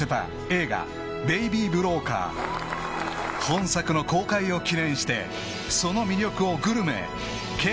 ［本作の公開を記念してその魅力を］